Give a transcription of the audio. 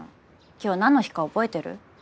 今日なんの日か覚えてる？